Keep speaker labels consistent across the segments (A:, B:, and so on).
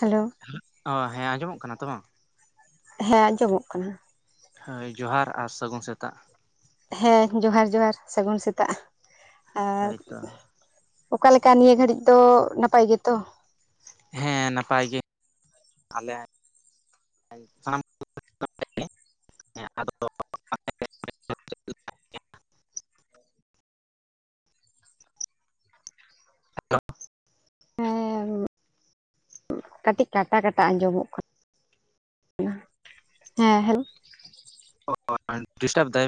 A: Hello.
B: ᱚ ᱦᱮᱸ ᱟᱸᱡᱚᱢᱚᱜ ᱠᱟᱱᱟ ᱛᱚ ᱵᱟᱝ?
A: ᱦᱮᱸ ᱟᱸᱡᱚᱢᱚᱜ ᱠᱟᱱᱟ᱾
B: ᱦᱳᱭ ᱡᱚᱦᱟᱨ ᱟᱨ ᱥᱟᱹᱜᱩᱱ ᱥᱮᱛᱟᱜ᱾
A: ᱦᱮᱸ ᱡᱚᱦᱟᱨ ᱡᱚᱦᱟᱨ ᱥᱟᱹᱜᱩᱱ ᱥᱮᱛᱟᱜ᱾ ᱟᱨᱼᱼ
B: ᱦᱳᱭᱛᱚ
A: ᱚᱠᱟᱞᱮᱠᱟ ᱱᱤᱭᱟᱹ ᱜᱷᱟᱹᱲᱤᱡ ᱫᱚ ᱱᱟᱯᱟᱭ ᱜᱮᱛᱚ?
B: ᱦᱮᱸ ᱱᱟᱯᱟᱭ ᱜᱮ ᱟᱞᱮ ᱥᱟᱱᱟᱢ [unintelligible] [unintelligible] ᱦᱮᱸ ᱟᱫᱚ ᱦᱮᱞᱳ᱾
A: ᱦᱮᱸ ᱠᱟᱹᱴᱤᱡ ᱠᱟᱴᱟ ᱠᱟᱴᱟ ᱟᱸᱡᱚᱢᱚᱜ ᱠᱟᱱᱟ᱾ ᱦᱮᱸ ᱦᱮᱞᱳ᱾
B: ᱰᱤᱥᱴᱟ ᱫᱚᱜ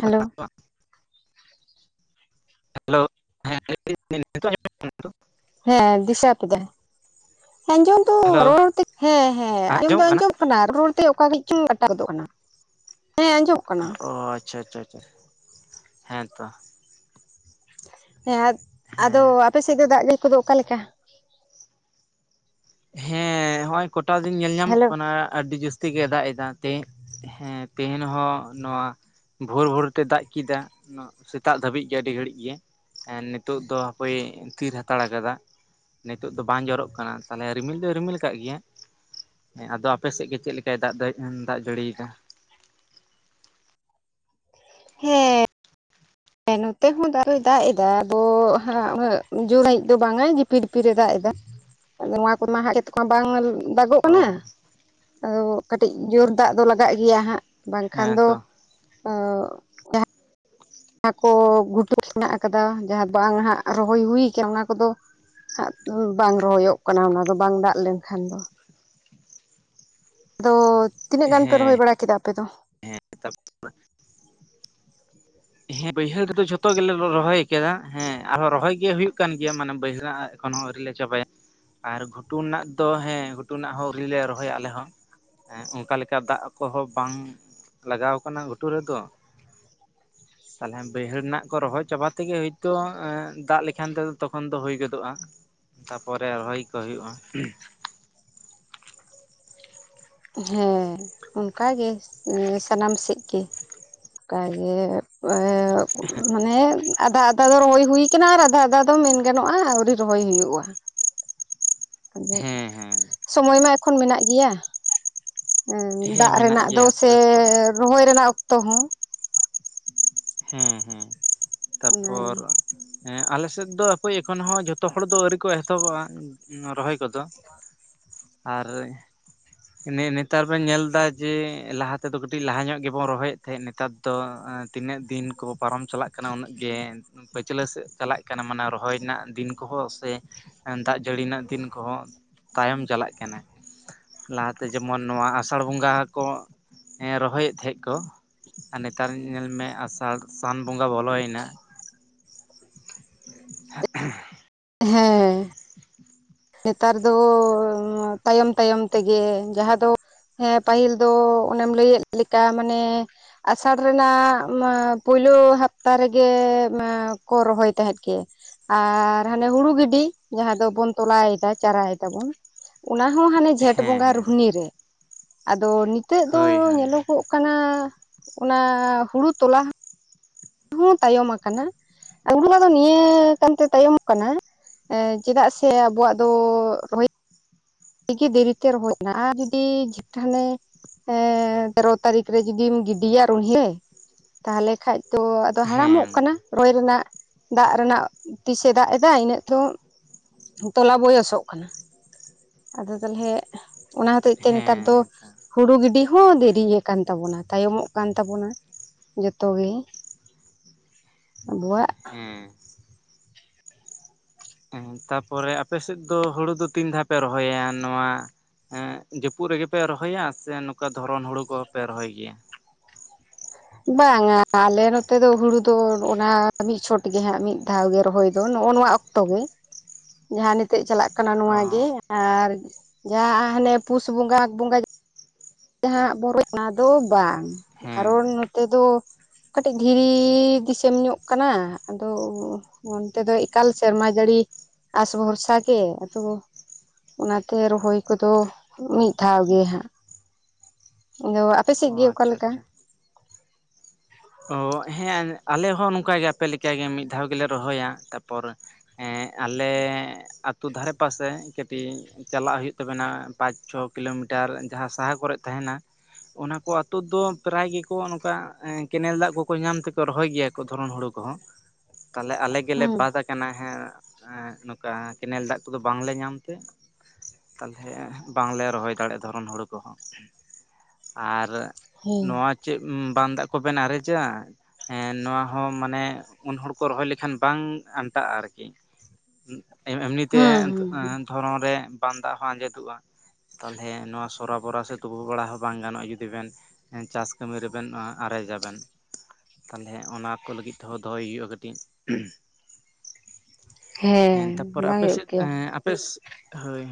A: ᱦᱮᱞᱳ
B: ᱵᱟᱝ? ᱦᱮᱞᱳ ᱦᱮᱸ [unintelligible]
A: ᱦᱮᱸ ᱫᱤᱥᱟᱹ ᱠᱮᱫᱟ ᱟᱸᱡᱚᱢ ᱫᱚ
B: ᱦᱮᱞᱳ
A: ᱨᱚᱲᱛᱮ ᱦᱮᱸ ᱦᱮᱸ ᱟᱸᱡᱚᱢ ᱫᱚ
B: ᱟᱸᱡᱚᱢᱚᱜ ᱠᱟᱱᱟ
A: ᱟᱸᱡᱚᱢᱼᱼ ᱚᱱᱟ ᱨᱚᱲ ᱛᱮ ᱚᱠᱟ ᱪᱚᱝ ᱠᱟᱴᱟ ᱜᱚᱫᱚᱜ ᱠᱟᱱᱟ᱾ ᱦᱮᱸ ᱟᱸᱡᱚᱢᱚᱜ ᱠᱟᱱᱟ
B: ᱚ ᱟᱪᱪᱷᱟ ᱟᱪᱪᱷᱟ ᱟᱪᱷᱟ ᱦᱮᱸᱛᱚ᱾
A: ᱦᱮᱸ ᱟᱫᱚ
B: ᱦᱮᱸ
A: ᱟᱯᱮᱥᱮᱫ ᱫᱚ ᱫᱟᱜ ᱡᱟᱹᱲᱤ ᱠᱚᱫᱚ ᱚᱠᱟᱞᱮᱠᱟ?
B: ᱦᱮᱸ ᱦᱚᱜᱼᱚᱭ ᱠᱚᱴᱟ ᱫᱤᱱ ᱧᱮᱞ ᱧᱟᱢᱚᱜ
A: ᱦᱮᱞᱳ
B: ᱠᱟᱱᱟ ᱟᱹᱰᱤ ᱡᱟᱹᱥᱛᱤ᱾ ᱛᱤ ᱜᱮ ᱫᱟᱜ ᱮᱫᱟ ᱦᱮᱸ ᱛᱮᱦᱮᱧ ᱦᱚᱸ ᱱᱚᱣᱟᱼᱼ ᱵᱷᱳᱨ ᱵᱷᱳᱨ ᱛᱮ ᱫᱟᱜ ᱠᱮᱫᱟ, ᱥᱮᱛᱟᱜ ᱫᱷᱟᱹᱵᱤᱡ ᱜᱮ ᱟᱹᱰᱤ ᱜᱷᱟᱹᱲᱤᱡ ᱜᱮ᱾ ᱦᱮᱸ ᱱᱤᱛᱚᱜ ᱫᱚ ᱦᱟᱯᱚᱭ ᱛᱤᱨ ᱦᱟᱛᱟᱲ ᱠᱟᱫᱟ᱾ ᱱᱤᱛᱳ ᱫᱚ ᱵᱟᱝ ᱡᱚᱨᱚᱜ ᱠᱟᱱᱟ᱾ ᱛᱟᱦᱚᱞᱮ ᱨᱤᱢᱤᱞ ᱫᱚᱭ ᱨᱤᱢᱤᱞ ᱟᱠᱟᱫ ᱜᱮᱭᱟ᱾ ᱦᱮᱸ ᱟᱫᱚ ᱟᱯᱮᱥᱮᱫ ᱜᱮ ᱪᱮᱫ ᱞᱮᱠᱟᱭ ᱫᱟᱜ ᱫᱟᱜ ᱡᱟᱹᱲᱤᱭᱮᱫᱟ?
A: ᱦᱮᱸ᱾ ᱦᱮᱸ ᱱᱚᱛᱮ ᱦᱚᱸ ᱫᱟᱜ ᱫᱚᱭ ᱫᱟᱜ ᱮᱫᱟ ᱟᱵᱚ ᱡᱳᱨᱤᱡ ᱫᱚ ᱵᱟᱝᱟ ᱡᱤᱯᱤ ᱰᱷᱤᱯᱤᱨ ᱮ ᱫᱟᱜ ᱮᱫᱟ᱾ ᱟᱫᱚ ᱱᱚᱣᱟ ᱠᱚᱢᱟ ᱦᱟᱜ ᱪᱮᱫ ᱵᱟᱝ ᱫᱟᱜᱚᱜ
B: ᱚ
A: ᱠᱟᱱᱟ? ᱟᱫᱚ ᱠᱟᱹᱴᱤᱡ ᱡᱳᱨ ᱫᱟᱜ ᱫᱚ ᱞᱟᱜᱟᱜ ᱜᱮᱭᱟ ᱦᱟᱸᱜ ᱵᱟᱝᱠᱷᱟᱱ
B: ᱦᱮᱸ
A: ᱫᱚᱼᱼ
B: ᱛᱚ
A: ᱡᱟᱦᱟᱠᱚ ᱜᱷᱩᱴᱩ ᱢᱮᱱᱟᱜ ᱟᱠᱟᱫᱟ ᱡᱟᱦᱟᱸ ᱫᱚ ᱵᱟᱝ ᱦᱟᱸᱜ ᱨᱚᱦᱚᱭ ᱦᱩᱭᱩ ᱠᱟᱱᱟ ᱚᱱᱟ ᱠᱚᱫᱚᱼᱼ ᱦᱟᱸᱜ ᱵᱟᱝ ᱨᱚᱦᱚᱭᱚᱜ ᱠᱟᱱᱟ ᱚᱱᱟ ᱫᱚ ᱵᱟᱝ ᱫᱟᱜ ᱞᱮᱱᱠᱷᱟᱱ ᱫᱚ? ᱟᱫᱚ ᱛᱤᱱᱟᱹᱜ ᱜᱟᱱ ᱯᱮ
B: ᱦᱮᱸ
A: ᱨᱚᱦᱚᱭ ᱵᱟᱲᱟ ᱠᱮᱫᱟ ᱟᱯᱮ ᱫᱚ?
B: ᱦᱮᱸ ᱵᱟᱹᱭᱦᱟᱹᱲ ᱨᱮᱫᱚ ᱡᱷᱚᱛᱚ ᱜᱮᱞᱮ ᱨᱚᱦᱚᱭ ᱟᱠᱟᱫᱟ ᱦᱮᱸ ᱟᱨᱦᱚᱸ ᱨᱚᱦᱚᱭ ᱜᱮ ᱦᱩᱭᱩᱜ ᱠᱟᱱ ᱜᱮᱭᱟ ᱢᱟᱱᱮ ᱵᱟᱹᱭᱦᱟᱹᱲᱼᱼ ᱮᱠᱷᱚᱱ ᱦᱚᱸ ᱟᱹᱣᱨᱤᱞ ᱞᱮ ᱪᱟᱵᱟᱭᱟ ᱾ ᱟᱨ ᱜᱷᱩᱴᱩ ᱨᱮᱱᱟᱜ ᱫᱚ ᱦᱮᱸ ᱜᱷᱩᱴᱩ ᱨᱮᱱᱟᱜ ᱦᱚᱸ ᱟᱹᱣᱨᱤᱞ ᱞᱮ ᱨᱚᱦᱚᱭᱟ ᱟᱞᱮ ᱦᱚᱸ᱾ ᱦᱮᱸ ᱚᱱᱠᱟ ᱞᱮᱠᱟ ᱫᱟᱜ ᱠᱚᱦᱚᱸ ᱵᱟᱝ ᱞᱟᱜᱟᱣ ᱠᱟᱱᱟ ᱜᱷᱩᱴᱩ ᱨᱮᱫᱚ᱾ ᱛᱟᱦᱚᱞᱮ ᱵᱟᱹᱭᱦᱟᱹᱲ ᱨᱮᱱᱟᱜ ᱠᱚ ᱨᱚᱦᱚᱭ ᱪᱟᱵᱟ ᱛᱮᱜᱮ, ᱦᱳᱭᱛᱳ ᱫᱟᱜ ᱞᱮᱠᱷᱟᱱ ᱛᱮᱫᱚ ᱛᱚᱠᱷᱚᱱ ᱫᱚ ᱦᱩᱭ ᱜᱚᱫᱚᱜᱼᱟ᱾ ᱛᱟᱯᱚᱨᱮ ᱨᱚᱦᱚᱭ ᱠᱚ ᱦᱩᱭᱩᱜᱼᱟ᱾
A: ᱦᱮᱸ ᱚᱱᱠᱟᱜᱮ ᱥᱟᱱᱟᱢ ᱥᱮᱫ ᱜᱮ᱾ ᱠᱟᱹᱮ [inaudible] ᱢᱟᱱᱮ ᱟᱫᱷᱟ ᱟᱫᱷᱟ ᱫᱚ ᱨᱚᱦᱚᱭ ᱦᱭᱠᱟᱱᱟ᱾ ᱟᱨ ᱟᱫᱷᱟ ᱟᱫᱷᱟ ᱫᱚ ᱢᱮᱱ ᱜᱟᱱᱚᱜᱼᱟ ᱟᱣᱨᱤ ᱨᱚᱦᱚᱭ ᱦᱩᱭᱩᱜᱼᱟ᱾ ᱟᱫᱚ
B: ᱦᱮᱸ ᱦᱮᱸ
A: ᱥᱚᱢᱚᱭ ᱢᱟ ᱮᱠᱷᱚᱱ ᱢᱮᱱᱟᱜ ᱜᱮᱭᱟ ᱮᱼᱼ
B: ᱦᱮᱸ
A: ᱫᱟᱜ
B: ᱢᱮᱱᱟᱜ
A: ᱨᱮᱱᱟᱜ ᱫᱚ
B: ᱜᱮᱭᱟ
A: ᱥᱮ
B: ᱛᱟᱨᱯᱚᱨ
A: ᱨᱚᱦᱚᱭ ᱨᱮᱱᱟᱜ ᱚᱠᱛᱚ ᱦᱚᱸ
B: ᱦᱮᱸ ᱦᱮᱸ ᱛᱟᱯᱚᱨ
A: ᱚᱱᱟᱜᱮ
B: ᱦᱮᱸ ᱟᱞᱮ ᱥᱮᱫ ᱫᱚ ᱦᱟᱹᱯᱟᱹᱭ ᱮᱠᱷᱚᱱ ᱦᱚᱸ ᱡᱷᱚᱛᱚ ᱦᱚᱲ ᱫᱚ ᱟᱹᱣᱨᱤ ᱠᱚ ᱮᱛᱚᱦᱚᱵᱚᱜᱼᱟ ᱨᱚᱦᱚᱭ ᱠᱚᱫᱚ᱾ ᱟᱨ ᱮᱱᱮ ᱱᱮᱛᱟᱨ ᱵᱮᱱ ᱧᱮᱞ ᱫᱟ ᱡᱮ ᱞᱟᱦᱟ ᱛᱮᱫᱚ ᱠᱟᱹᱴᱤᱡ ᱞᱟᱦᱟ ᱧᱚᱜ ᱜᱮᱵᱚᱱ ᱨᱚᱦᱚᱭᱮᱫ ᱛᱟᱦᱮᱸᱫ ᱱᱮᱛᱟᱨ ᱫᱚ ᱟᱸ ᱛᱤᱱᱟᱹᱜ ᱫᱤᱱ ᱠᱚ ᱯᱟᱨᱚᱢ ᱪᱟᱞᱟᱜ ᱠᱟᱱᱟ ᱩᱱᱟᱹᱜ ᱜᱮ ᱯᱟᱹᱪᱞᱟᱹ ᱥᱮᱫ ᱪᱟᱞᱟᱜ ᱠᱟᱱᱟ ᱢᱟᱱᱮ ᱨᱚᱦᱚᱭ ᱨᱮᱱᱟᱜ ᱫᱤᱱ ᱠᱚᱦᱚᱸ ᱥᱮ ᱫᱟᱜ ᱡᱟᱹᱲᱤ ᱨᱮᱱᱟᱜ ᱫᱤᱱ ᱠᱚᱦᱚᱸ ᱛᱟᱭᱚᱢ ᱪᱟᱞᱟᱜ ᱠᱟᱱᱟ᱾ ᱞᱟᱦᱟᱛᱮ ᱡᱮᱢᱚᱱ ᱱᱚᱣᱟ ᱟᱥᱟᱲ ᱵᱚᱸᱜᱟ ᱠᱚ ᱮᱸ ᱨᱚᱦᱚᱭᱮᱫ ᱛᱟᱦᱮᱸᱫ ᱠᱚ ᱟᱨ ᱱᱮᱛᱟᱨ ᱧᱮᱞ ᱢᱮ ᱟᱥᱟᱲ ᱥᱟᱱ ᱵᱚᱸᱜᱟ ᱵᱚᱞᱚᱭᱮᱱᱟ᱾ ᱦᱮᱸ᱾
A: ᱦᱮᱸ᱾ ᱱᱮᱛᱟᱨ ᱫᱚ ᱛᱟᱭᱚᱢ ᱛᱟᱭᱚᱢ ᱛᱮᱜᱮ ᱡᱟᱦᱟᱸ ᱫᱚ ᱦᱮᱸ ᱯᱟᱹᱦᱤᱞ ᱫᱚ ᱚᱱᱮᱢ ᱞᱟᱹᱭᱮᱫ ᱞᱮᱠᱟ ᱢᱟᱱᱮ ᱟᱥᱟᱲ ᱨᱮᱱᱟᱜ ᱢᱟ ᱯᱳᱭᱞᱳ ᱦᱟᱯᱛᱟ ᱨᱮᱜᱮ ᱢᱟ ᱠᱚ ᱨᱚᱦᱚᱭ ᱛᱟᱦᱮᱸᱫ ᱜᱮ᱾ ᱟᱨ ᱦᱟᱱᱮ ᱦᱩᱲᱩ ᱜᱤᱰᱤ ᱡᱟᱦᱟᱸ ᱫᱚ ᱵᱚᱱ ᱛᱚᱞᱟᱭᱮᱫᱟ ᱪᱟᱨᱟᱭ ᱫᱟᱵᱚᱱ ᱚᱱᱟ ᱦᱚᱸ ᱦᱟᱱᱮ ᱡᱷᱮᱸᱴ
B: ᱦᱮᱸ
A: ᱵᱚᱸᱜᱟ
B: ᱦᱮᱸ
A: ᱨᱩᱦᱱᱤ ᱨᱮ᱾ ᱟᱫᱚ ᱱᱤᱛᱚᱜ ᱫᱚ
B: ᱦᱳᱭ ᱦᱳᱭ
A: ᱧᱮᱞᱚᱜᱚᱜ ᱠᱟᱱᱟ ᱚᱱᱟ ᱦᱩᱲᱩ ᱛᱚᱞᱟ ᱦᱚᱸ ᱛᱟᱭᱚᱢ ᱟᱠᱟᱱᱟ ᱦᱩᱲᱩ ᱨᱚᱦᱚᱭ ᱫᱚ ᱱᱤᱭᱟᱹ ᱠᱟᱱᱛᱮ ᱛᱟᱭᱚᱢ ᱠᱟᱱᱟ ᱮᱸ ᱪᱮᱫᱟᱜ ᱥᱮ ᱟᱵᱚᱣᱟᱜ ᱫᱚ ᱨᱚᱦᱚᱭ ᱜᱤ ᱫᱮᱨᱤᱛᱮ ᱨᱚᱦᱚᱭᱱᱟ ᱟᱨ ᱡᱩᱫᱤ ᱡᱤ ᱴᱷᱟᱞᱮ ᱮᱸ ᱛᱮᱨᱚ ᱛᱟᱨᱤᱠᱷ ᱨᱮ ᱡᱩᱫᱤᱢ ᱜᱤᱰᱤᱭᱟ ᱨᱩᱦᱱᱤ ᱛᱟᱦᱚᱞᱮ ᱠᱷᱟᱡ ᱛᱚ ᱟᱫᱚ ᱦᱟᱲᱟᱢᱚᱜ
B: ᱦᱮᱸ
A: ᱠᱟᱱᱟ᱾ ᱨᱚᱭ ᱨᱮᱱᱟᱜ ᱫᱟᱜ ᱨᱮᱱᱟᱜ ᱛᱤᱥᱮ ᱫᱟᱜ ᱫᱟᱭ ᱤᱱᱟᱹᱜ ᱛᱚ ᱛᱚᱞᱟ ᱵᱚᱭᱚᱥᱚᱜ ᱠᱟᱱᱟ᱾ ᱟᱫᱚ ᱛᱟᱞᱦᱮ ᱚᱱᱟ ᱦᱚᱛᱮᱡ ᱛᱮ ᱱᱮᱛᱟᱨ ᱫᱚ
B: ᱦᱮᱸ ᱛᱚ
A: ᱦᱩᱲᱩ ᱜᱤᱰᱤ ᱦᱚᱸ ᱫᱮᱨᱤᱭ ᱟᱠᱟᱱ ᱛᱟᱵᱚᱱᱟ, ᱛᱟᱭᱚᱢᱚᱜ ᱠᱟᱱ ᱛᱟᱵᱚᱱᱟ᱾ ᱡᱚᱛᱚ ᱜᱤ ᱟᱵᱩᱣᱟᱜ
B: ᱦᱮᱸ᱾ ᱛᱟᱯᱚᱨᱮ ᱟᱯᱮ ᱥᱮᱫ ᱫᱚ ᱦᱩᱲᱩ ᱫᱚ ᱛᱤᱱ ᱫᱷᱟᱣ ᱯᱮ ᱨᱚᱦᱚᱭᱟ ᱱᱚᱣᱟ ᱮᱸᱜ ᱡᱟᱹᱯᱩᱫ ᱨᱮᱜᱮ ᱯᱮ ᱨᱚᱦᱚᱭᱟ? ᱥᱮ ᱱᱚᱠᱟ ᱫᱷᱚᱨᱚᱱ ᱦᱩᱲᱩ ᱠᱚᱦᱚᱸ ᱯᱮ ᱨᱚᱦᱚᱭ ᱜᱮᱭᱟ?
A: ᱵᱟᱝᱟ ᱟᱞᱮ ᱱᱚᱛᱮ ᱫᱚ ᱦᱩᱲᱩ ᱫᱚ ᱚᱱᱟ ᱢᱤᱫ ᱪᱷᱚᱴ ᱜᱮ ᱦᱟᱸᱜ ᱢᱤᱫ ᱫᱷᱟᱣ ᱜᱮ ᱨᱚᱦᱚᱭ ᱫᱚ ᱱᱚᱜᱼᱚ ᱱᱚᱣᱟ ᱚᱠᱛᱚ ᱜᱮ ᱡᱟᱦᱟᱸ ᱱᱤᱛᱜ ᱪᱟᱞᱟᱜ ᱠᱟᱱᱟ
B: ᱚ
A: ᱱᱚᱣᱟ ᱜᱮ ᱟᱨ ᱡᱟᱦᱟᱸ ᱦᱟᱸᱜ ᱦᱟᱱᱮ ᱯᱩᱥ ᱵᱚᱸᱜᱟ ᱟᱜᱷ ᱵᱚᱸᱜᱟ ᱡᱟᱦᱟᱸ ᱵᱚᱨᱚᱡ ᱚᱱᱟ ᱫᱚ ᱵᱟᱝ
B: ᱦᱮᱸ
A: ᱠᱟᱨᱚᱱ ᱱᱚᱛᱮ ᱫᱚ ᱠᱟᱹᱴᱤᱡ ᱫᱷᱤᱨᱤ ᱫᱤᱥᱚᱢ ᱧᱚᱜ ᱠᱟᱱᱟ ᱟᱫᱚ ᱚᱱᱛᱮ ᱫᱚ ᱤᱠᱟᱞ ᱥᱮᱨᱢᱟ ᱡᱟᱹᱲᱤ ᱟᱥ ᱵᱷᱚᱨᱥᱟ ᱜᱮ ᱟᱫᱚ ᱚᱱᱟᱛᱮ ᱨᱚᱦᱚᱭ ᱠᱚᱫᱚ ᱢᱤᱫ ᱫᱷᱟᱣ ᱜᱮ ᱦᱟᱸᱜ᱾ ᱟᱫᱚ ᱟᱯᱮ ᱥᱮᱫ
B: ᱚ
A: ᱜᱮ
B: ᱟᱪᱪᱷᱟ
A: ᱚᱠᱟᱞᱮᱠᱟ?
B: ᱟᱪᱪᱷᱟ ᱚ ᱦᱮᱸ ᱟᱞᱮ ᱦᱚᱸ ᱱᱚᱠᱟᱜᱮ ᱟᱯᱮ ᱞᱮᱠᱟᱜᱮ ᱢᱤᱫ ᱫᱷᱟᱣ ᱜᱮᱞᱮ ᱨᱚᱦᱚᱭᱟ ᱛᱟᱯᱚᱨ ᱮᱸ ᱟᱞᱮ ᱟᱹᱛᱩ ᱫᱷᱟᱨᱮ ᱯᱟᱥᱮ ᱠᱟᱹᱴᱤᱡ ᱪᱟᱞᱟᱜ ᱦᱩᱭᱩᱜ ᱛᱟᱵᱮᱱᱟ ᱯᱟᱸᱪ ᱪᱷᱚ ᱠᱤᱞᱳᱢᱤᱴᱟᱨ ᱡᱟᱦᱟᱸ ᱥᱟᱦᱟ ᱠᱚᱨᱮᱫ ᱛᱟᱦᱮᱸᱱᱟ ᱚᱱᱟᱠᱚ ᱟᱹᱛᱩ ᱫᱚ ᱯᱨᱟᱭ ᱜᱮᱠᱚ ᱱᱚᱠᱟ ᱮ ᱠᱮᱱᱮᱞ ᱫᱟᱜ ᱠᱚ ᱠᱚ ᱧᱟᱢ ᱛᱮᱠᱚ ᱨᱚᱦᱚᱭ ᱜᱮᱭᱟ ᱠᱚ ᱫᱷᱚᱨᱚᱱ ᱦᱳᱲᱳ ᱠᱚᱦᱚᱸ ᱛᱟᱦᱚᱞᱮ ᱟᱞᱮ ᱜᱮᱞᱮ
A: ᱦᱩᱸ
B: ᱵᱟᱫ ᱠᱟᱱᱟ ᱦᱮᱸ ᱮᱸ ᱱᱚᱠᱟ ᱠᱮᱱᱮᱞ ᱫᱟᱜ ᱠᱚᱫᱚ ᱵᱟᱝᱞᱮ ᱧᱟᱢ ᱛᱮ᱾ ᱛᱟᱞᱦᱮ ᱵᱟᱝᱞᱮ ᱨᱚᱦᱚᱭ ᱫᱟᱲᱮᱜ ᱫᱷᱚᱨᱚᱱ ᱦᱩᱲᱩ ᱠᱚᱦᱚᱸ ᱟᱨ
A: ᱦᱮᱸ
B: ᱱᱚᱣᱟ ᱪᱮᱫ ᱵᱟᱝ ᱫᱟᱜ ᱠᱚᱵᱮᱱ ᱟᱨᱮᱡᱟ ᱮᱸ ᱱᱚᱣᱟ ᱦᱚᱸ ᱢᱟᱱᱮ ᱩᱱ ᱦᱚᱲ ᱠᱚ ᱨᱚᱦᱚᱭ ᱞᱮᱠᱷᱟᱱ ᱵᱟᱝ ᱟᱱᱴᱟᱜᱼᱟ ᱟᱨᱠᱤ ᱮᱢ ᱮᱢᱱᱤᱛᱮ
A: ᱦᱩᱸ ᱦᱩᱸ
B: ᱫᱷᱚᱨᱚᱱ ᱨᱮ ᱵᱟᱱ ᱫᱟᱜ ᱦᱚᱸ ᱟᱸᱡᱮᱫᱚᱜᱼᱟ᱾ ᱛᱟᱞᱦᱮ ᱱᱚᱣᱟ ᱥᱚᱨᱟᱵᱚᱨᱟ ᱥᱮ ᱛᱩᱯᱩ ᱵᱟᱲᱟ ᱦᱚᱸ ᱵᱟᱝ ᱜᱟᱱᱚᱜᱼᱟ ᱡᱩᱫᱤ ᱵᱮᱱ ᱮ ᱪᱟᱥ ᱠᱟᱹᱢᱤ ᱨᱮᱵᱮᱱ ᱟᱨᱮ ᱡᱟᱵᱮᱱ᱾ ᱛᱟᱞᱦᱮ ᱚᱱᱟ ᱠᱚ ᱞᱟᱹᱜᱤᱫ ᱛᱮᱦᱚᱸ ᱫᱚᱦᱚᱭ ᱦᱩᱭᱩᱜᱼᱟ ᱠᱟᱹᱴᱤᱡ᱾ ᱦᱮᱸ ᱛᱟᱯᱚᱨ
A: ᱵᱟᱝ
B: ᱟᱯᱮ
A: ᱦᱩᱭᱩᱜ
B: ᱥᱮᱫ
A: ᱜᱮᱭᱟ
B: ᱟᱯᱮ ᱥᱮ ᱦᱳᱭ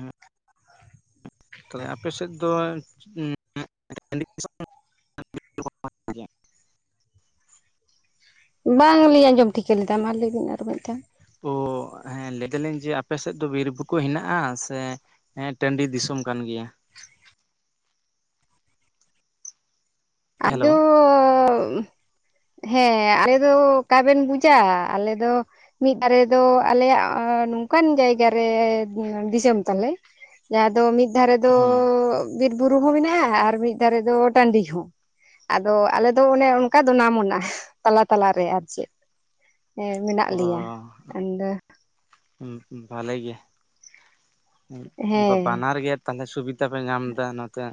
B: ᱛᱟᱦᱚᱞᱮ ᱟᱯᱮ ᱥᱮᱫ ᱫᱚ [unintelligible] [unintelligible] ᱜᱮ
A: ᱵᱟᱝ ᱞᱤᱧ ᱟᱡᱚᱢ ᱴᱷᱤᱠᱟᱹ ᱞᱮᱫᱟ ᱢᱟ ᱞᱮ ᱵᱤᱱ ᱟᱨ ᱢᱤᱫ ᱫᱷᱟᱣ ᱾
B: ᱳᱸ ᱦᱮᱸ ᱞᱮᱹᱭ ᱫᱟᱞᱤᱧ ᱡᱮ ᱟᱯᱮ ᱥᱮᱫ ᱫᱚ ᱵᱤᱨ ᱵᱩᱨᱩ ᱠᱚ ᱦᱮᱱᱟᱜᱼᱟ ᱥᱮ? ᱦᱮᱸ ᱴᱟᱺᱰᱤ ᱫᱤᱥᱚᱢ ᱠᱟᱱ ᱜᱮᱭᱟ ᱾ ᱦᱮᱞᱳ
A: ᱟᱫᱚᱻᱚᱻᱚᱻᱚ ᱦᱮᱸ ᱟᱞᱮ ᱫᱚ ᱚᱠᱟᱵᱮᱱ ᱵᱩᱡᱟ ᱟᱞᱮ ᱫᱚ ᱢᱤᱫ ᱫᱷᱟᱨᱮ ᱫᱚ ᱟᱞᱮᱭᱟᱜ ᱱᱚᱝᱠᱟᱱ ᱡᱟᱭᱜᱟ ᱨᱮ ᱫᱤᱥᱚᱢ ᱛᱟᱞᱮ ᱾ ᱡᱟᱦᱟᱸ ᱫᱚ ᱢᱤᱫ ᱫᱷᱟᱨᱮ ᱫᱚ
B: ᱦᱩᱸ
A: ᱵᱤᱨ ᱵᱩᱨᱩ ᱦᱚᱸ ᱢᱮᱱᱟᱜᱼᱟ ᱟᱨ ᱢᱤᱫ ᱫᱷᱟᱨᱮ ᱫᱚ ᱴᱟᱺᱰᱤ ᱦᱚᱸ ᱟᱫᱚ ᱟᱞᱮ ᱫᱚ ᱚᱱᱮ ᱚᱱᱠᱟ ᱫᱚᱱᱟ ᱢᱚᱱᱟ ᱛᱟᱞᱟ ᱛᱟᱞᱟ ᱨᱮ ᱟᱨ ᱪᱮᱫ? ᱮᱮᱸ ᱢᱮᱱᱟᱜ ᱞᱤᱭᱟ ᱟᱫᱚ
B: ᱦᱩᱸ ᱦᱩᱸ ᱵᱟᱞᱮ ᱜᱮ ᱾
A: ᱦᱮᱸ
B: ᱵᱟᱱᱟᱨ ᱜᱮ ᱛᱟᱦᱞᱮ ᱥᱩᱵᱤᱫᱟ ᱯᱮ ᱧᱟᱢ ᱮᱫᱟ ᱱᱚᱛᱮ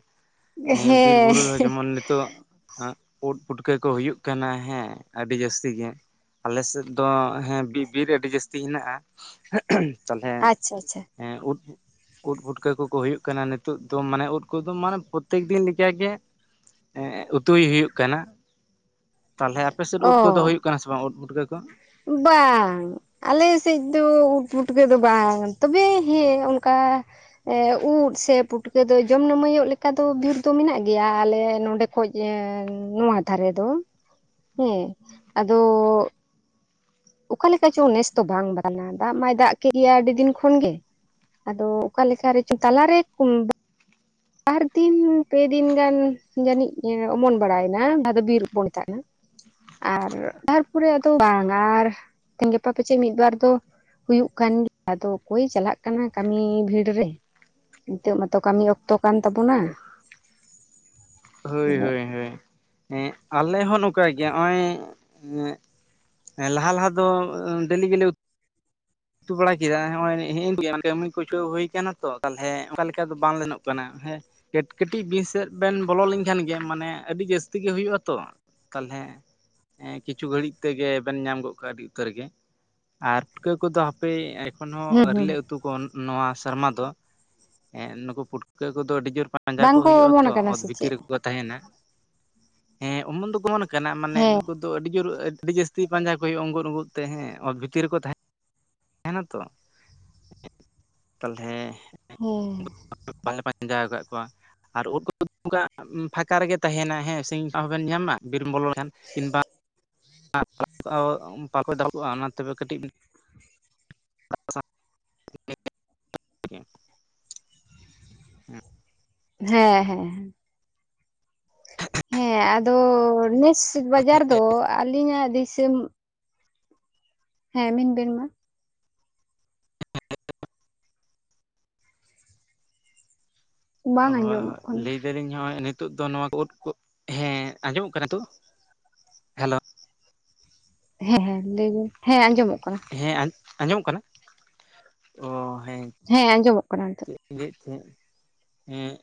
B: ᱦᱮᱸ ᱵᱤᱨ ᱵᱩᱨᱩ ᱨᱮ ᱦᱚᱸ ᱡᱮᱢᱚᱱ ᱱᱤᱛᱚᱜ ᱩᱫ ᱯᱩᱴᱠᱟᱹ ᱠᱚ ᱦᱩᱭᱩᱜ ᱠᱟᱱᱟ᱾ ᱦᱮᱸ ᱟᱰᱤ ᱡᱟᱥᱛᱤ ᱜᱮ ᱾ ᱟᱞᱮ ᱥᱮᱫ ᱫᱚ ᱦᱮᱸ ᱵᱤ ᱵᱤᱨ ᱟᱹᱰᱤ ᱡᱟᱥᱛᱤ ᱦᱮᱱᱟᱜᱼᱟ ᱾ [unintelligible] ᱛᱟᱦᱚᱞᱮ
A: ᱟᱪᱪᱷᱟ ᱟᱪᱪᱷᱟ
B: ᱦᱮᱸ ᱩᱫ [inaudible] ᱩᱫ ᱯᱩᱴᱠᱟᱹ ᱠᱚ ᱠᱚ ᱦᱩᱭᱩᱜ ᱠᱟᱱᱟ, ᱱᱤᱛᱚᱜ ᱫᱚ ᱢᱟᱱᱮ ᱩᱫ ᱠᱚ ᱫᱚ ᱢᱟᱱᱮ ᱯᱨᱚᱛᱮᱠ ᱫᱤᱱ ᱞᱮᱠᱟᱜᱮ ᱮᱸᱜ ᱩᱛᱩᱭ ᱦᱩᱭᱩᱜ ᱠᱟᱱᱟ ᱾ [inaudible] ᱛᱟᱞᱦᱮ ᱟᱯᱮ ᱥᱮᱫ ᱩᱫ ᱠᱚᱫᱚ
A: ᱚ
B: ᱦᱩᱭᱩᱜ ᱠᱟᱱᱟ ᱥᱮ ᱵᱟᱝ ᱩᱫ ᱯᱩᱴᱠᱟᱹ ᱠᱚ?
A: ᱵᱟᱝ᱾ ᱟᱞᱮ ᱥᱮᱡ ᱫᱚ ᱩᱫ ᱯᱩᱴᱠᱟᱹ ᱫᱚ ᱵᱟᱝ ᱾ ᱛᱚᱵᱮ ᱦᱮᱸ ᱚᱱᱠᱟ ᱮ ᱩᱫ ᱥᱮ ᱯᱩᱴᱠᱟᱹ ᱫᱚ ᱡᱚᱢ ᱱᱟᱹᱢᱟᱹᱭᱚᱜ ᱞᱮᱠᱟ ᱫᱚ ᱵᱤᱨ ᱫᱚ ᱢᱮᱱᱟᱜ ᱜᱮᱭᱟ ᱟᱞᱮ ᱱᱚᱸᱰᱮ ᱠᱷᱚᱡ ᱱᱚᱣᱟ ᱫᱷᱟᱨᱮ ᱫᱚ ᱾ [inaudible] ᱦᱮᱸ ᱾ ᱟᱫᱚᱻ ᱚᱠᱟ ᱞᱮᱠᱟ ᱪᱚᱝ ᱱᱮᱥ ᱛᱚ ᱵᱟᱝ ᱵᱟᱱᱟ ᱾ ᱫᱟᱜ ᱢᱟᱭ ᱫᱟᱜ ᱠᱮᱫ ᱜᱮᱭᱟ ᱟᱹᱰᱤ ᱫᱤᱱ ᱠᱷᱚᱱ ᱜᱮ᱾ ᱟᱫᱚ ᱚᱠᱟ ᱞᱮᱠᱟ ᱨᱮᱪᱚ ᱛᱟᱞᱟᱨᱮ ᱩᱸ ᱵᱟᱨ ᱫᱤᱱ ᱯᱮ ᱫᱤᱱ ᱜᱟᱱ ᱡᱟᱹᱱᱤᱡ ᱚᱢᱚᱱ ᱵᱟᱲᱟᱭᱮᱱᱟ [unintelligible] ᱟᱨ ᱛᱟᱨᱯᱚᱨᱮ ᱟᱫᱚ ᱵᱟᱝ ᱾ ᱟᱨ ᱛᱮᱦᱮᱸᱧ ᱜᱟᱯᱟ ᱯᱟᱪᱮᱫ ᱢᱤᱫᱵᱟᱨ ᱫᱚ ᱦᱩᱭᱩᱜ ᱠᱟᱱ ᱜᱮᱭᱟ ᱟᱫᱚ ᱚᱠᱚᱭ ᱮ ᱪᱟᱞᱟᱜ ᱠᱟᱱᱟ ᱠᱟᱹᱢᱤ ᱵᱷᱤᱲ ᱨᱮ ᱾ [inaudible] ᱱᱤᱛᱚᱜ ᱢᱟᱛᱚ ᱠᱟᱹᱢᱤ ᱚᱠ ᱛᱚ ᱠᱟᱱ ᱛᱟᱵᱚᱱᱟ᱾
B: ᱦᱟᱹᱭ
A: ᱟᱫᱚ
B: ᱦᱟᱹᱭ ᱦᱟᱹᱭ ᱾ [inaudible] ᱮᱸ ᱟᱞᱮ ᱦᱚᱸ ᱱᱚᱝᱠᱟ ᱜᱮᱭᱟ ᱱᱚᱜ-ᱚᱭ ᱮᱸ ᱦᱮᱸ ᱞᱟᱦᱟ ᱞᱟᱦᱟ ᱫᱚ ᱰᱮᱞᱤ ᱜᱮᱞᱮ ᱩ ᱛᱩ ᱵᱟᱲᱟ ᱠᱮᱫᱟ ᱦᱚᱜᱼᱚᱭ ᱮ ᱠᱟᱹᱢᱤ ᱠᱚᱪᱚ ᱦᱩᱭ ᱠᱟᱱᱟ ᱛᱚ ᱛᱟᱦᱚᱞᱮ ᱚᱱᱠᱟ ᱞᱮᱠᱟ ᱫᱚ ᱵᱟᱝ ᱞᱮᱱᱚᱜ ᱠᱟᱱᱟ ᱦᱮᱸ ᱾ ᱠᱟᱹᱴ ᱠᱟᱹᱴᱤᱡ ᱵᱤᱨ ᱥᱮᱫ ᱵᱮᱱ ᱵᱚᱞᱚ ᱞᱮᱱᱠᱷᱟᱱ ᱜᱮ ᱢᱟᱱᱮ ᱟᱹᱰᱤ ᱡᱟᱹᱥᱛᱤ ᱜᱮ ᱦᱩᱭᱩᱜ-ᱟ ᱛᱚ᱾ ᱛᱟᱞᱦᱮ ᱮ ᱠᱤᱪᱷᱩ ᱜᱷᱟᱹᱲᱤᱡ ᱛᱮᱜᱮ ᱵᱮᱱ ᱧᱟᱢ ᱜᱚᱫ ᱠᱚᱣᱟ ᱟᱹᱰᱤ ᱩᱛᱟᱹᱨ ᱜᱮ ᱾ ᱟᱨ ᱯᱩᱴᱠᱟᱹ ᱠᱚ ᱫᱚ ᱦᱟᱯᱮ ᱮᱠᱷᱚᱱ ᱦᱚᱸ
A: ᱦᱩᱸ
B: ᱟᱹᱣᱨᱤ
A: ᱦᱩᱸ
B: ᱞᱮ ᱩᱛ ᱛᱩ ᱠᱚᱣᱟ ᱱᱚᱣᱟ ᱥᱮᱨᱢᱟ ᱫᱚ ᱾ [inaudible] ᱮ ᱱᱩᱠᱩ ᱯᱩᱴᱠᱟᱹ ᱠᱚᱫᱚ ᱟᱹᱰᱤ ᱡᱳᱨ ᱯᱟ ᱯᱟᱸᱡᱟ ᱠᱚ
A: ᱵᱟᱝᱠᱚ
B: ᱦᱩᱭᱩᱜ-ᱟ ᱛᱚ
A: ᱚᱢᱚᱱ ᱟᱠᱟᱱᱟ
B: ᱚᱛ
A: ᱥᱮ
B: ᱵᱷᱤᱛᱤᱨ
A: ᱪᱮᱫ
B: ᱨᱮ ᱛᱟᱦᱮᱱᱟ ᱾ ᱮᱸ ᱚᱢᱚᱱ ᱫᱚ ᱠᱚ ᱚᱢᱚᱱ ᱟᱠᱟᱱᱟ ᱢᱟᱱᱮ
A: ᱦᱮᱸ
B: ᱱᱩᱠᱩ ᱫᱚ ᱟᱹᱰᱤ ᱡᱳᱨ ᱟᱹᱰᱤ ᱡᱟᱹᱥ ᱛᱤ ᱯᱟᱸᱡᱟ ᱠᱚ ᱦᱩᱭᱩᱜ-ᱟ ᱚᱜᱩᱜ ᱚᱜᱩᱜ ᱛᱮ ᱦᱮ ᱚᱛ ᱵᱷᱤᱛᱤᱨ ᱨᱮᱠᱚ ᱛᱟᱦ ᱮᱸᱱᱟ ᱛᱚ ᱾ [inaudible] ᱛᱟᱞᱦᱮ
A: ᱦᱩᱸ ᱾
B: ᱵᱟᱞᱮ ᱯᱟᱧᱡᱟ ᱟᱠᱟᱜ ᱠᱚᱣᱟ᱾ ᱟᱨ ᱩᱫ ᱠᱚᱫᱚ ᱚᱱᱠᱟ ᱯᱷᱟᱠᱟ ᱨᱮᱜᱮ ᱛᱟᱦᱮᱱᱟ ᱦᱮᱸ ᱥᱤᱧ ᱦᱚᱸᱵᱮᱱ ᱧᱟᱢᱟ ᱵᱤᱨᱮᱢ ᱵᱚᱞᱚ ᱞᱮᱱᱠᱷᱟᱱ ᱾ ᱠᱤᱢᱵᱟ [inaudible] ᱵᱟᱠᱚ [unintelligible] ᱚᱱᱟ ᱛᱮ ᱜᱮ ᱠᱟᱹᱴᱤᱡ [inaudible] ᱦᱩᱸ ᱾
A: ᱦᱮᱸ ᱦᱮᱸ ᱾ ᱦᱮᱸ ᱟᱫᱚ ᱱᱮᱥ ᱵᱟᱡᱟᱨ ᱫᱚ ᱟᱹᱞᱤᱧᱟᱜ ᱫᱤᱥᱚᱢ ᱦᱮᱸ ᱢᱮᱱ ᱵᱮᱱ ᱢᱟ ᱾ ᱵᱟᱝ
B: ᱦᱳᱭ
A: ᱟᱸᱡᱚᱢᱚᱜ
B: ᱦᱳᱭ ᱾
A: ᱠᱟᱱᱟ
B: ᱞᱟᱹᱭ ᱮᱫᱟᱞᱤᱧ ᱱᱚᱜ-ᱚᱭ ᱱᱤᱛᱚᱜ ᱫᱚ ᱱᱚᱣᱟ ᱠᱚ ᱩᱫ ᱠᱚ, ᱦᱮᱸ ᱟᱸᱡᱚᱢᱚᱜ ᱠᱟᱱᱟ ᱱᱤᱛᱚᱜ? ᱦᱮᱞᱳ
A: ᱦᱮᱸ ᱦᱮᱸ ᱞᱟᱹᱭᱵᱮᱱ ᱾ ᱦᱮᱸ ᱟᱸᱡᱚᱢᱚᱜ ᱠᱟᱱᱟ ᱾
B: ᱦᱮᱸ ᱟᱸ ᱟᱸᱡᱚᱢᱚᱜ ᱠᱟᱱᱟ? [inaudible] ᱚ ᱦᱮᱸ
A: ᱟᱸᱡᱚᱢᱚᱜ ᱠᱟᱱᱟ
B: [inaudible]
A: ᱱᱤᱛᱚᱜ
B: ᱤᱭᱟᱹᱮᱜ ᱛᱟᱦᱮᱸᱫ [inaudible] ᱦᱮᱸ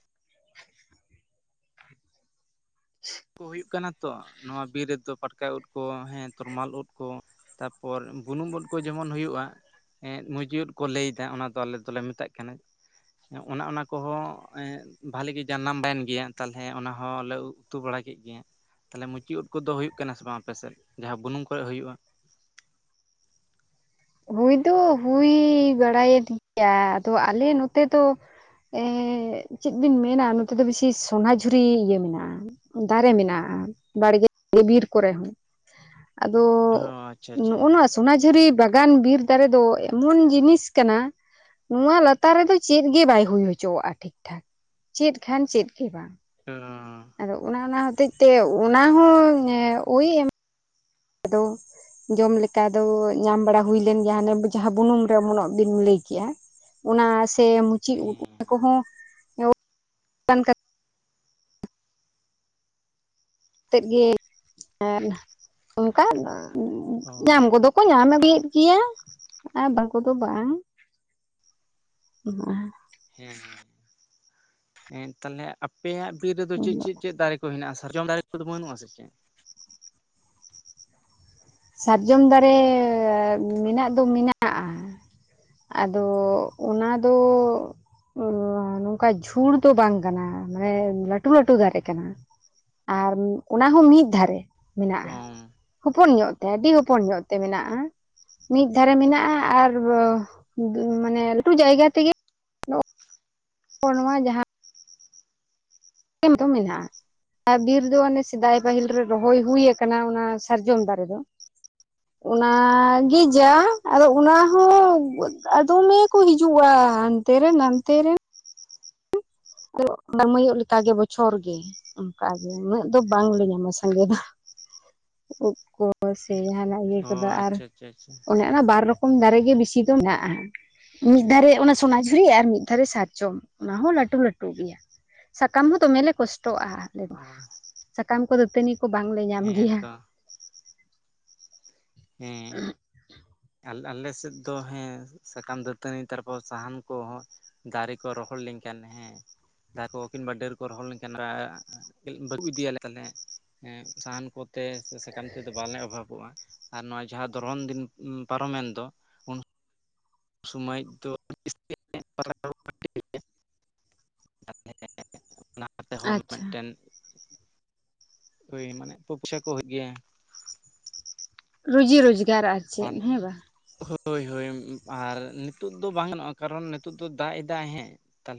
A: [inaudible]
B: ᱠᱚ ᱦᱩᱭᱩᱜ ᱠᱟᱱᱟ ᱛᱚ ᱾ ᱱᱚᱣᱟ ᱵᱤᱨ ᱨᱮᱫᱚ ᱯᱟᱴᱠᱟ ᱩᱫ ᱠᱚ ᱦᱮᱸ ᱛᱚᱨᱢᱟᱞ ᱩᱫ ᱠᱚ ᱾ ᱛᱟᱯᱚᱨ ᱵᱩᱱᱩᱢ ᱩᱫ ᱠᱚ ᱡᱮᱢᱚᱱ ᱦᱩᱭᱩᱜ-ᱟ ᱾ ᱮᱸᱜ ᱢᱩᱡ ᱩᱫ ᱠᱚ ᱞᱟᱹᱭᱮᱫᱟ ᱚᱱᱟ ᱫᱚ ᱟᱞᱮ ᱫᱚᱞᱮ ᱢᱮᱛᱟᱜ ᱠᱟᱱᱟ ᱾ ᱚᱱᱮ ᱚᱱᱟ ᱠᱚᱦᱚᱸ ᱮᱸ ᱵᱷᱟᱞᱤ ᱜᱮ ᱡᱟᱱᱟᱢ ᱞᱮᱱ ᱜᱮᱭᱟ ᱾ ᱛᱟᱞᱦᱮ ᱚᱱᱟ ᱦᱚᱸᱞᱮ ᱩ ᱩᱛᱩ ᱵᱟᱲᱟ ᱠᱮᱫ ᱜᱮᱭᱟ ᱾ [inaudible] ᱛᱟᱦᱚᱞᱮ ᱢᱩᱪᱤ ᱩᱫ ᱠᱚ ᱫᱚ ᱦᱩᱭᱩᱜ ᱠᱟᱱᱟ ᱥᱮ ᱵᱟᱝ ᱟᱯᱮᱥᱮᱫ? ᱡᱟᱦᱟᱸ ᱵᱩᱱᱩᱢ ᱠᱚᱨᱮ ᱦᱩᱭᱩᱜ-ᱟ ᱾
A: ᱦᱩᱭ ᱫᱚ ᱦᱩᱭ ᱵᱟᱲᱟᱭᱮᱱ ᱜᱮᱭᱟ ᱾ ᱟᱫᱚ ᱟᱞᱮ ᱱᱚᱛᱮ ᱫᱚ ᱮᱸ ᱪᱮᱫ ᱵᱤᱱ ᱢᱮᱱᱟ ᱱᱚᱛᱮ ᱫᱚ ᱵᱮᱥᱤ ᱥᱚᱱᱟᱡᱷᱩᱨᱤ ᱤᱭᱟᱹ ᱢᱮᱱᱟᱜᱼᱟ᱾ ᱫᱟᱨᱮ ᱢᱮᱱᱟᱜᱼᱟ᱾ ᱵᱟᱲᱜᱮ ᱵᱤᱨ ᱠᱚᱨᱮ ᱦᱚᱸ᱾ ᱟᱫᱚ
B: ᱚ ᱟᱪᱪᱷᱟ ᱟᱪᱪᱷᱟ
A: ᱱᱚᱜ-ᱚ ᱱᱚᱣᱟ ᱥᱚᱱᱟᱡᱷᱩᱨᱤ ᱵᱟᱜ ᱜᱟᱱ ᱵᱤᱨ ᱫᱟᱨᱮ ᱫᱚ ᱮᱢᱚᱱ ᱡᱤᱱᱤᱥ ᱠᱟᱱᱟ ᱱᱚᱣᱟ ᱞᱟᱛᱟᱨ ᱨᱮᱫᱚ ᱪᱮᱫᱜᱮ ᱵᱟᱭ ᱦᱩᱭ ᱦᱚᱪᱚᱣᱟᱜᱼᱟ ᱴᱷᱤᱠ ᱴᱷᱟᱠ᱾ ᱪᱮᱫ ᱠᱷᱟᱱ ᱪᱮᱫ ᱜᱮ ᱵᱟᱝ᱾
B: [unintelligible]
A: ᱟᱫᱚ ᱚᱱᱟ ᱚᱱᱟ ᱦᱚᱛᱮᱡ ᱛᱮ ᱚᱱᱟ ᱦᱚᱸ ᱳᱭ ᱮᱢ ᱟᱫᱚ ᱡᱚᱢ ᱞᱮᱠᱟ ᱫᱚ ᱧᱟᱢ ᱵᱟᱲᱟ ᱦᱩᱭ ᱞᱮᱱ ᱜᱮᱭᱟ ᱦᱟᱱᱮ ᱡᱟᱦᱟᱸ ᱵᱩᱱᱩᱢ ᱨᱮ ᱩᱢᱚᱱᱚᱜ ᱵᱤᱱ ᱞᱟᱹᱭᱠᱮᱼᱟ᱾ ᱚᱱᱟ ᱥᱮ ᱢᱩᱪᱤ ᱩᱫ ᱚᱱᱟ
B: ᱦᱮᱸ
A: ᱠᱚᱦᱚᱸ [unintelligible] [unintelligible]
B: ᱚ
A: ᱠᱚ ᱧᱟᱢ ᱟᱹᱫᱤᱭᱮᱫ ᱜᱮᱭᱟ ᱟᱨ ᱵᱟᱝ ᱠᱚᱫᱚ ᱵᱟᱝ᱾ [unintelligible]
B: ᱦᱮᱸ᱾ ᱮᱸᱫ ᱛᱟᱞᱦᱮ ᱟᱯᱮᱭᱟᱜ ᱵᱤᱨ ᱨᱮᱫᱚ ᱪᱮᱫ ᱪᱮᱫ ᱪᱮᱫ ᱫᱟᱨᱮ ᱠᱚ ᱦᱮᱱᱟᱜᱼᱟ ᱥᱟᱨᱡᱚᱢ ᱫᱟᱨᱮ ᱠᱚᱫᱚ ᱵᱟᱹᱱᱩᱜᱼᱟ ᱥᱮ ᱪᱮᱫ?
A: ᱥᱟᱨᱡᱚᱢ ᱫᱟᱨᱮ ᱢᱮᱱᱟᱜ ᱫᱚ ᱢᱮᱱᱟᱜᱼᱟ᱾ ᱟᱫᱚ ᱚᱱᱟᱫᱚ ᱚ ᱱᱚᱝᱠᱟ ᱡᱷᱩᱲ ᱫᱚ ᱵᱟᱝ ᱠᱟᱱᱟ᱾ ᱢᱟᱱᱮ ᱞᱟᱹᱴᱩ ᱞᱟᱹᱴᱩ ᱫᱟᱨᱮ ᱠᱟᱱᱟ᱾ ᱟᱨ ᱚᱱᱟ ᱦᱚᱸ ᱢᱤᱫ ᱫᱷᱟᱨᱮ ᱢᱮᱱᱟᱜᱼᱟ
B: ᱚᱸ
A: ᱦᱚᱯᱚᱱ ᱧᱚᱜ᱾ ᱛᱮ ᱟᱹᱰᱤ ᱦᱚᱯᱚᱱ ᱧᱚᱜ ᱛᱮ ᱢᱮᱱᱟᱜ-ᱟ᱾ ᱢᱤᱫ ᱫᱷᱟᱨᱮ ᱢᱮᱱᱟᱜᱼᱟ ᱟᱨ ᱢᱟᱱᱮ ᱞᱟᱹᱴᱩ ᱡᱟᱭᱜᱟ ᱛᱮᱜᱮ ᱠᱚ ᱱᱚᱶᱟ ᱡᱟᱦᱟᱸ [unintelligible] ᱢᱮᱱᱟᱜ-ᱟ᱾ ᱟᱨ ᱵᱤᱨ ᱫᱚ ᱚᱱᱮ ᱥᱮᱫᱟᱭ ᱯᱟᱹᱦᱤᱞ ᱨᱮ ᱨᱚᱦᱚᱭ ᱦᱩᱭᱩ ᱟᱠᱟᱱᱟ ᱚᱱᱟ ᱥᱟᱨᱡᱚᱢ ᱫᱟᱨᱮ ᱫᱚ᱾
B: [inaudible]
A: ᱚᱱᱟᱜᱮ ᱡᱟ ᱟᱫᱚ ᱚᱱᱟ ᱦᱚᱸ ᱟ ᱫᱚᱢᱮ ᱠᱚ ᱦᱤᱡᱩᱜᱼᱟ᱾ ᱛᱮᱨᱮᱱ ᱱᱟᱱᱛᱮᱨᱮᱱ᱾ ᱱᱟᱹᱢᱟᱹᱭᱚᱜ ᱞᱮᱠᱟᱜᱮ ᱵᱚᱪᱷᱚᱨ ᱜᱮ᱾ ᱚᱱᱠᱟ ᱜᱮ ᱩᱱᱟᱹᱜ ᱫᱚ ᱵᱟᱝᱞᱮ ᱧᱟᱢᱟ ᱥᱟᱸᱜᱮ ᱫᱚ᱾ ᱩᱫᱽ ᱠᱚ ᱥᱮ ᱡᱟᱦᱟᱱᱟᱜ ᱤᱭᱟᱹ
B: ᱚ
A: ᱠᱚᱫᱚ ᱟᱨ
B: ᱟᱪᱪᱷᱟ ᱟᱪᱪᱷᱟ ᱟᱪᱪᱷᱟ
A: ᱚᱱᱟ ᱚᱱᱟ ᱵᱟᱨ ᱨᱚᱠᱚᱢ ᱫᱟᱨᱮ ᱜᱮ ᱵᱮᱥᱤ ᱫᱚ ᱢᱮᱱᱟᱜᱼᱟ᱾ ᱢᱤᱫ ᱫᱷᱟᱨᱮ ᱚᱱᱟ ᱥᱚᱱᱟᱡᱷᱩᱨᱤ ᱟᱨ ᱢᱤᱫ ᱫᱷᱟᱨᱮ ᱥᱟᱨᱡᱚᱢ᱾ ᱚᱱᱟ ᱦᱚᱸ ᱞᱟᱹᱴᱩ ᱞᱟᱹᱴᱩ᱾ ᱴᱩ ᱜᱮᱭᱟ᱾ ᱥᱟᱠᱟᱢ ᱦᱚᱸ ᱫᱚᱢᱮᱞᱮ ᱠᱚᱥᱴᱚᱜ-ᱟ᱾
B: ᱚ᱾
A: ᱥᱟᱠᱟᱢ ᱠᱚ ᱫᱟᱹᱛᱟᱹᱱᱤ ᱠᱚ ᱵᱟᱝᱞᱮ ᱧᱟᱢ
B: ᱦᱮᱸ
A: ᱜᱮᱭᱟ᱾
B: ᱛᱚ ᱦᱮᱸ᱾ ᱟᱞ-ᱟᱞᱮ ᱥᱮᱫ ᱫᱚ ᱦᱮᱸ ᱥᱟᱠᱟᱢ ᱫᱟᱹᱛᱟᱹᱱᱤ ᱛᱟᱨᱯᱚᱨ ᱥᱟᱦᱟᱱ ᱠᱚᱦᱚᱸ ᱫᱟᱨᱮ ᱠᱚ ᱨᱚᱦᱚᱲ ᱞᱮᱱᱠᱷᱟᱱ ᱦᱮᱸ᱾ ᱫᱟ ᱠᱚ ᱠᱤᱱᱵᱟ ᱰᱟᱹᱨ ᱠᱚ ᱨᱚᱦᱚᱲ ᱞᱮᱱᱠᱷᱟᱱ ᱠᱟᱹᱡ ᱵᱟᱹᱠᱩᱵ ᱤᱫᱤᱭᱟ ᱞᱮ ᱛᱟᱞᱦᱮ᱾ ᱮᱸᱜ ᱥᱟᱦᱟᱱ ᱠᱚᱛᱮ ᱥᱮ ᱥᱟᱠᱟᱢ ᱛᱮᱫᱚ ᱵᱟᱞᱮ ᱚᱵᱷᱟᱵᱚᱜ-ᱟ ᱟᱨ ᱱᱚᱜ-ᱚᱭ ᱡᱟᱦᱟᱸ ᱫᱷᱚᱨᱚᱱ ᱫᱤᱱ ᱩᱸ ᱯᱟᱨᱚᱢᱮᱱ ᱫᱚ᱾ ᱩᱱ [unintelligible] ᱚᱱᱟ ᱛᱮᱦᱚᱸ
A: ᱟᱪᱪᱷᱟ
B: ᱢᱮᱫᱴᱮᱱ ᱦᱳᱭ ᱢᱟᱱᱮ ᱯᱚ-ᱯᱚᱭᱥᱟ ᱠᱚ ᱦᱩᱭᱩᱜ ᱜᱮᱭᱟ᱾
A: ᱨᱩᱡᱤ ᱨᱳᱡᱽᱜᱟᱨ ᱟᱨ ᱪᱮᱫ ᱦᱮᱸ ᱵᱟᱝ?
B: ᱦᱳᱭ ᱦᱳᱭ, ᱟᱨ ᱱᱤᱛᱳᱜ ᱫᱚ ᱵᱟᱝ ᱜᱟᱱᱚᱜᱼᱟ ᱠᱟᱨᱚᱱ ᱱᱤᱛᱳᱜ ᱫᱚ ᱫᱟᱜ ᱮᱫᱟᱭ ᱮᱸᱦᱮᱸ ᱾